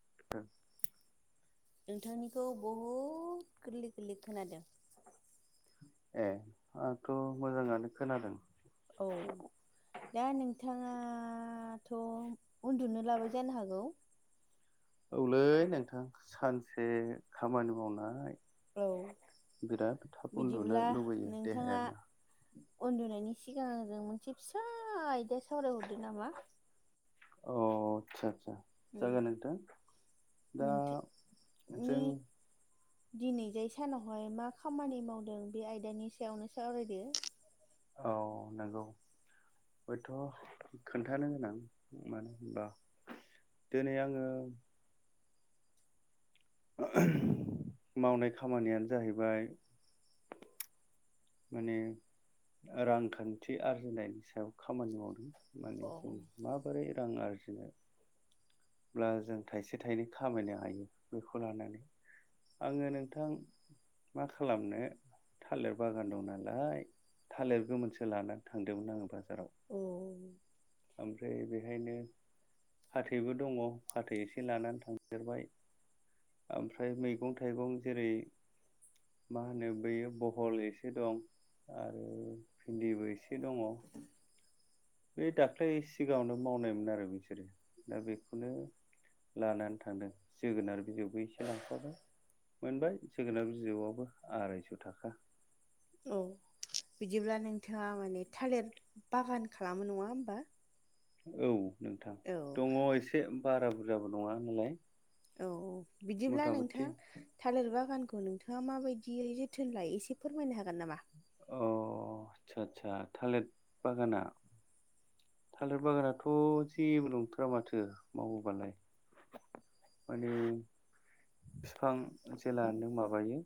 [unintelligible] नोंथांनिखौ बहुद गोरलै गोरलै खोनादों ए आंथ' मोजाङानो खोनादों औ दा नोंथाङाथ' उन्दुनो लाबाय जानो हागौ औलै नोंथां सानसे खामानि मावनाय औ बिराद थाब उन्दुनो बिदिब्ला लुबैयो नोंथाङा देहायानो उन्दुनायनि सिगां आंजों मोनसे फिसा आयदा सावरायहरदो नामा अ आदसा आदसा जागोन नोंथां दा नोंथांनि जों दिनैजाय सानावहाय मा खामानि मावदों बे आयदानि सायावनो सावरायदो औ नंगौ हयथ' खोन्थानो गोनां मानो होनबा दिनै आङो आहाम मावनाय खामानियानो जाहैबाय माने रांखान्थि आरजिनायनि सायाव खामानि अ मावदों माबोरै रां आरजिनो ब्ला जों थाइसे थाइनै खामायनो हायो बेखौ लानानै आङो नोंथां मा खालामनो थालिर बागान दं नालाय थालिर गोमोनसो लानानै थांदोंमोन आं दा दा औ ओमफ्राय बेहायनो फाथैबो दङ फाथै एसे लानानै थांफेरबाय ओमफ्राय मैगं-थाइगं जेरै मा होनो बैयो बहल ए एसे दं आरो भिन्दिबो एसे दङ बै दाख्लै सिगाङावनो मावनायमोन आरो बिसोरो दा बेखौनो लानानै थांदों जोगोनार बिजौबो एसे लांफाबाय मोनबाय जोगोनार बिजौआबो आरायस' थाखा औ बिदिब्ला नोंथाङा माने थालिर बागान खालामो नङा होमबा औ नोंथां औ दङ एसे बारा बुरजाबो नङा नालाय औ औ बिदिब्ला मथा मथि नोंथां थालिर बागानखौ नोंथाङा माबायदियै जोथोन लायो एसे फोरमायनो हागोन नामा अ आदसा आदसा थालिर बागाना थालिर बागानाथ' जेबो नंथारा माथो मावोबालाय माने बिफां जेेल नो माबायो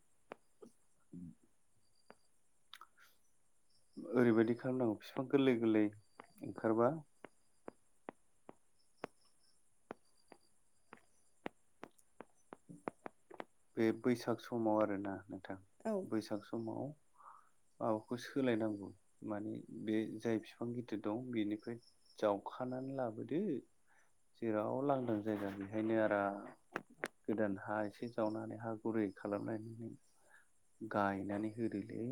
ओरैबायदि खामनांग बिफां गोरलै गोरलै आओंखारबा बे बैसाग समाव आरोना नोंथां औ बैसाग समाव माबाखौ सोलायनांगौ माने बे जाय बिफां गिदिर दं बिनिफ्राय जावखानानै लाबोदो जेराव लांदां जायगा बेहायनो आराम गोदान हा एसे जावनानै हा गुरै खालामनायनि गायनानै होदोलै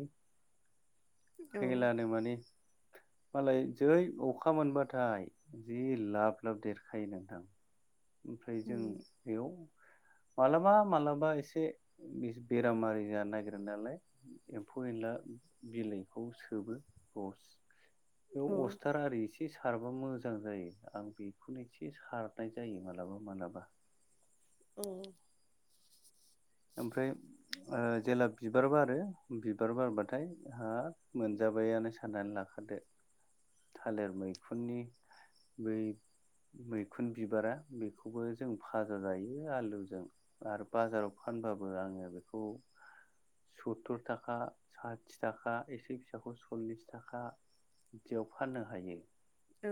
हेलानो माने मालाय जेरै अखा मोनबाथाय जि लाब लाब देरखायो नोंथां ओमफ्राय जों बेयाव माबलाबा मालाबा एसे बेरामारि जानो नागिरो नालाय एम्फौ एनला बिलाइखौ सोबो रस औ बेयाव अस्थार आरि एसे सारबा मोजां जायो आं बेखौनो ऐसे सारनाय जायो मालाबा मालाबा ओ ओमफ्राय जेला बिबार बारो बिबार बारबाथाय हाब मोनजाबायानो साननानै लाखादो [inaudible] थालिर मैखुननि बै मैखुन बिबारा बेखौबो जों फाजा जायो आलुजों आरो बाजाराव फानबाबो आङो बेखौ सत्तुर थाखा साथि थाखा एसे फिसाखौ सल्लिस थाखा। बिदियाव फाननो हायो औ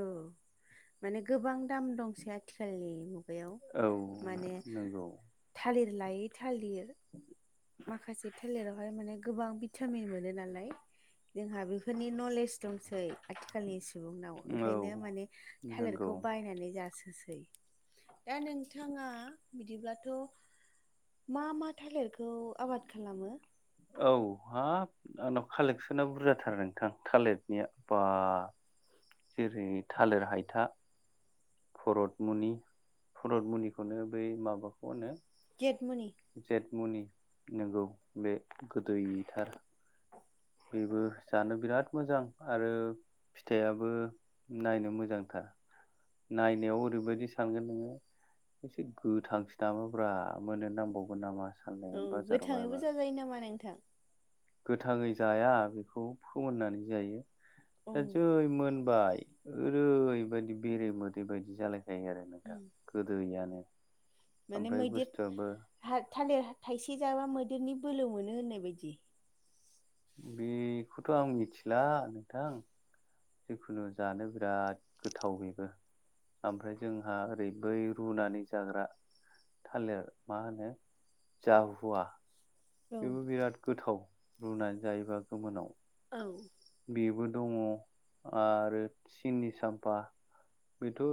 माने गोबां दाम दंसै आथिखालनि मुगायाव औ माने नंगौ थालिर लायै थालिर माखासे थालिरावहाय माने गोबां भिटामिन मोनो नालाय जोंहा बे बेफोरनि नलेज दंसै आथिखालनि सुबुंनाव औ ओंखायनो माने नंगौ थालिरखौ बायनानै जासोसै दा नोंथाङा बिदिब्लाथ' मा मा थालिरखौ आबाद खालामो? औ हा आंनाव कालेकसना बुरजाथार नोंथां थालिरनिया बा जेरै थालिर हायथा भरतमुनि भरतमुनिखौनो बै माबाखौ होनो गेदमुनि जेट मुनि नंगौ बे गोदैथार बेबो जानो बिराद मोजां आरो फिथाइयाबो नायनो मोजांथार नायनायाव ओरैबायदि सानगोन नोङो एसे गोथांसो नामाब्रा मोननो नांबावगोन नामा औ सानगोन बाजाराव बायबा [unintelligible] नामा नोंथां गोथाङै जाया बेखौ फोमोननानै जायो औ दा जै मोनबाय ओरैबायदि बेरे मोदै बायदि जालायखायो आरो नोंथां गोदोयानो माने मैदेर थालिर थाइसे जाबा मैदेरनि बोलो मोनो होननाय बायदि बेखौथ' आं मिथिला नोंथां जिखुनु जानो बिराद गोथाव बेबो। ओमफ्राय जोंहा ओरै बै रुनानै जाग्रा थालेर मा होनो जाहुवा औ बेबो बिराद गोथाव रुनानै जायोबा गोमोनाव। ओ बेबो दङ आरो सिनि साम्फा बेथ'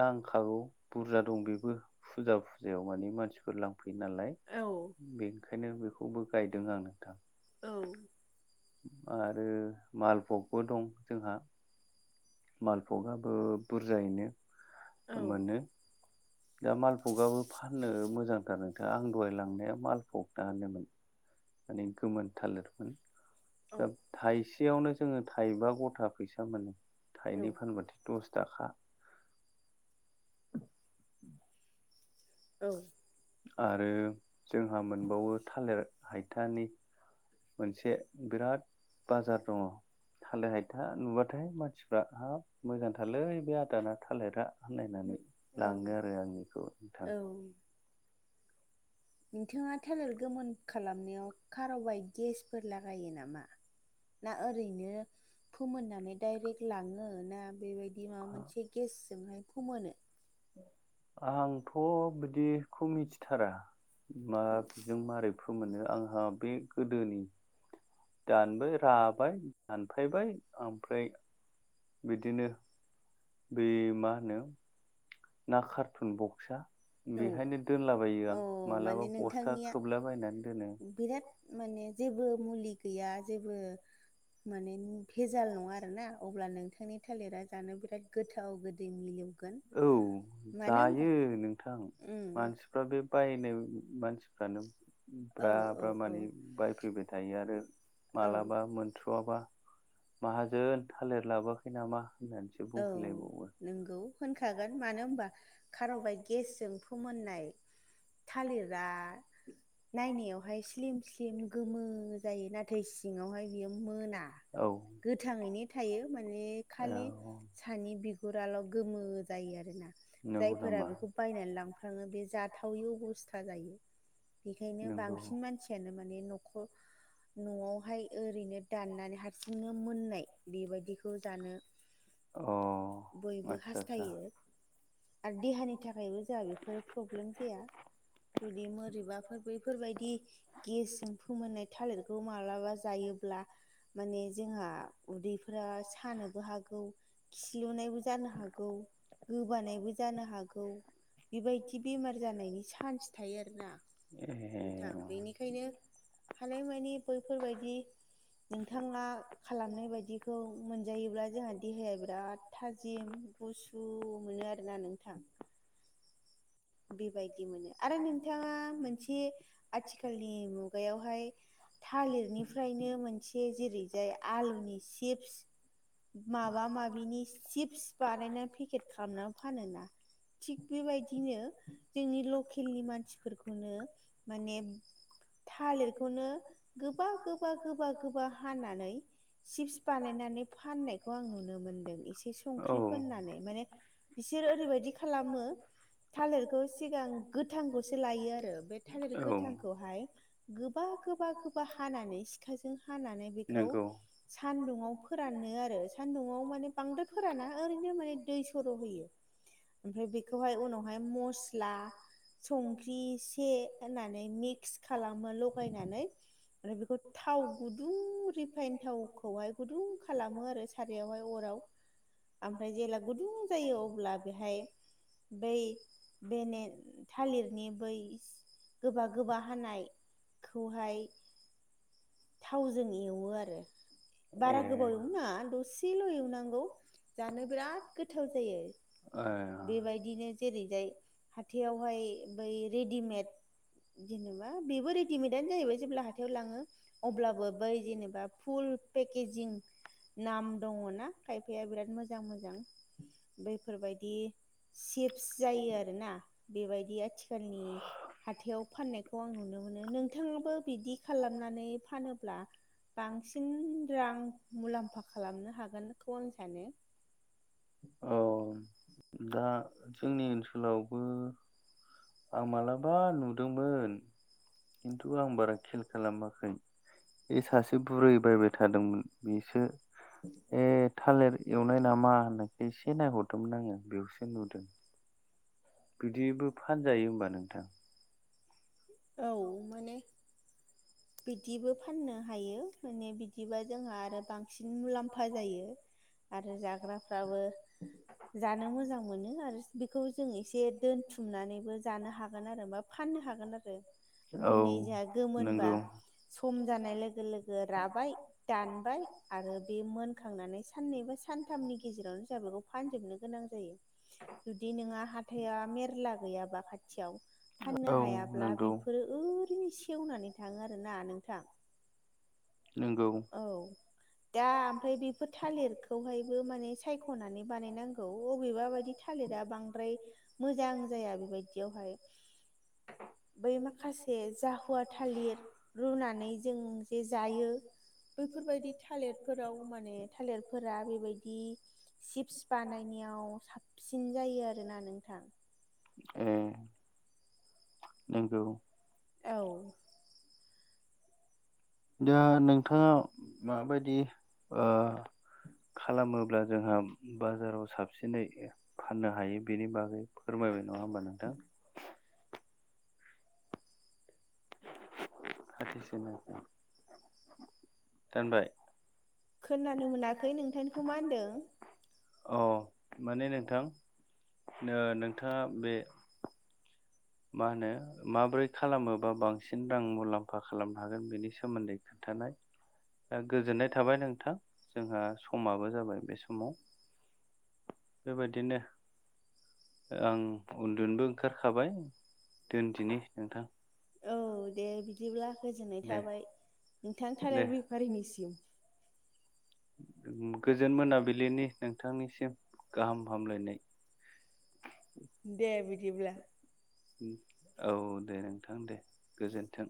नांखागौ बुरजा दं बेबो फुजा फुजायाव माने मानसिफोर लांफैयो नालाय। औ नंखायनो बेखौबो गायदों आं नोंथां। औ आरो मालभगबो दं जोंहा। मालभगआबो बुरजायैनो मोनो। दा मालपगाबो फाननो मोजांथार नोंथाङा आं दहाय लांनाया मालफगानोमोन। माने गोमोन थालिरमोन औ थाइसेयावनो जोङो थाइबा गथा फैसा मोनो औ थाइनै फानबाथाय दस थाखा। ओं आरो जोंहा मोनबावो थालिर हायथानि मोनसे बिराद बाजार दङ। थालिर हायथा नुबाथाय मानसिफ्रा हाब मोजांथालै बे आदाना थालिरा होनलायनानै औ लाङो आरो आंनिखौ नोंथां। औ नोंथाङा थालिर गोमोन खालामनायाव खार'बायट गेसफोर लागायो नामा? ना ओरैनो फोमोननानै डाइरेक्ट लाङो ना बे बि माबा मोनसे गेसजोंहाय फोमोनो? आंथ' बिदिखौ मिथिथारा मा जों माबारै फोमोनो आंहा बे गोदोनि दानबाय राबाय दानफायबाय ओमफ्राय बिदिनो बै मा होनो ना कार्टुन बक्सा औ बेहायनो दोनलाबायो अ आं माने मालाबा बस्था नोंथांनिया खोबलाबायनानै दोनो। बिराद माने जेबो मुलि गैया जेबो माने भेजाल नङा आरोना अब्ला नोंथांनि थालिरा जानो बिराद गोथाव गोदै मोनो। औ जायो नोंथां उम मानसिफ्रा बे बायनाय मानसि फ्रानो औ ब्रा औ ब्रा औ माने बायफैबाय थायो आरो औ मालाबा मोनथ्र'आबा माहाजोन थालिर लाबोखै नामा होननानै सो औ नंगौ होनखागोन मानो होमबा खार'बायट गेसजों फोमोननाय थालिरा नायनायावहाय स्लिम स्लिम गोमो जायो नाथाय सिङावहाय बियो मोना। औ गोथाङैनो थायो माने खालि औ सानि बिगुराल' गोमो जायो आरोना नंगौ जायफोरा नामा बेखौ बायनानै लांफ्राङो बे जाथावै अबस्था जायो बेखायनो नंगौ बांसिन मानसि बेनो माने नख' न'आवहाय ओरैनो दाननानै हारसिंनो मोननाय बेबादिखौ जानो अ बयबो आदसा आदसा हास्थायो आरो देहानि थाखायबो जोंहा बेफोरो प्रब्लेम जाया। जुदि मोरैबाफोर बेैफोरबायदि गेसजों फोमोननाय थालिरखौ मालाबा जायोब्ला माने जोंहा उदैफोरा सानोबो हागौ। खिलुनायबो जानो हागौ गोबानायबो जानो हागौ। बेबायदि बेमार जानायनि चान्स थायो आरो ना ए नोंथां। बेनिखायनो हानायमानि बैफोरबायदि नोंथाङा खालामनाय बायदिखौ मोनजायोब्ला जोंहा देहायाबो बिराद थाजिम गुसु मोनो आरोना नोंथां। बेबायदि मोनो आरो नोंथाङा मोनसे आथिखालनि मुगायावहाय थालिरनिफ्रायनो मोनसे जेरैजाय आलुनि चिप्स। माबा माबिनि चिप्स बानायना पेकेट खामना फानोना थिग बेबायदिनो जोंनि लकेलनि मानसिफोरखौनो माने थालेरखौनो गोबा गोबा गोबा गोबा हानानै सिप्स बानायनानै फाननायखौ आं नुनो मोनदों एसे संख्रि औ फोननानै। माने बिसोर ओरैबायदि खालामो थालिरखौ सिगां गोथांखौसो लायो आरो ओमफाय थालिर औ गोथांखौहाय गोबा गोबा गोबा हानानै सिखाजों हानानै बेखौ नंगौ सानदुङाव फोरानो आरो सान्दुङआव माने बांद्राय फोराना ओरैनो माने दै सर' होयो। ओमफ्राय बेखौहाय उनाव हाय मस ला संख्रि एसे होनानै मिक्स खालामो लगायनानै। आरो बेखौ थाव गुदुं रिफाइन थावखौहाय गुदुं खालामो आरो। सारयावहाय अराव। आमफ्राय जेब्ला गुदुं जायो अब्ला बेहाय बै बे ने थालिरनि बै गोबा गोबा हानाय खौहाय थावजों एवो आरो बारा ए गोबाव एवनो ना दसेल' एवनांगौ। जानो बिराद गोथाव जायो ए बेबायदिनो जेरैजाय हाथायावहाय बै रेडिमेड जेनेबा बेबो रेडिमेडआनो जाहैबाय जेब्ला हाथायाव लाङो। अब्लाबो बै जेनेबा फुल पेकेजिं नाम दङना खायफाया बिराद मोजां मोजां बैफोरबायदि सिप्स जायो आरोना बेबायदि आथिखालनि हाथायाव फाननायखौ आं नुनो मोनो नोंथाङाबो बिदि खालामनानै फानोब्ला बांसिन रां मुलाम्फा खालामनो हागोनखौ आं सानो। औ दा जोंनि ओनसोलाव आं मालाबा नुदोंमोन। खिन्थु आं बारा खेल खालामाखै इ सासे बुरै बायबाय थादोंमोन। बेसो ए थालेर एवनाय नामा होननायखाय एसे नायहरदोंमोन आङो बेयावसो नुदों। बिदिबो फानजायो होमबा नोंथां? औ मोनो। बिदिबो फाननो हायो माने बिदिबा जोंहा आरो बां सिन मुलाम्फा जायो आरो जाग्राफ्राबो जानो मोजां मोनो आरो बेखौ जों एसे दोनथुमनानैबो जानो हागोन आरोबाब फाननो हागोन आरो औ ओमफाय नै जोंहा गोमोन बा नंगौ सम जानाय लोगो लोगो राबाय दानबाय आरो बे मोनखांनानै साननैबा सान थामनि गेजेरावनो जोंहा बेखौ फानजोबनो गोनां जायो। जुदि नोंहा हाथाइया मेरला गैयाबा खाथियाव फाननो औ हायाब्ला नंगौ बि रो ओरैनो सेवनानै थाङो आरो ना नोंथां नोंगौ। औ दा ओमफाय बेफोर थालिरखौहायबो माने सायख'नानै बानायनांगौ अबेबा बायदि थालिरा बांद्राय मोजां जाया बेबायदियावहाय बै माखासे जाहुवा थालिर रुनानै जों बे जायो बैफोरबायदि थालिरफोराव माने थालिरफोरा बेबायदि चिप्स बानायनायाव साबसिन जायो आरोना नोंथां उम नोंगौ औ दा नोंथाङा माबायदि आ खालामोब्ला जोंहा बाजाराव साबसिनै फाननो हायो बेनि बागै फोरमायबाय नङा होमबा नोंथां [unintelligible] दानबाय खोनानो मोनाखै नोंथांनिखौ मा होनदों अ माने नोंथां नो नोंथाङा बे मा होनो माबोरै खालामोबा बांसिन रां मुलाम्फा खालामनो हागोन बेनि सोमोन्दै थानाय दा गोजोननाय थाबाय नोंथां जोंहा समाबो जाबाय बे समाव बेबायदिनो आं उन्दुनोबो ओंखारखाबाय दोनदिनि नोंथां औ दे बिदिब्ला गोजोननाय दे थाबाय नोंथां दे थालिर बेफारिनिसिम गोजोन मोनाबिलिनि नोंथांनिसिम गाहाम हामलायनाय दे बिदिब्ला औ दे नोंथां दे गोजोन्थों